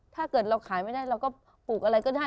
ถ้าเกิดเราขายไม่ได้เราก็ปลูกอะไรก็ได้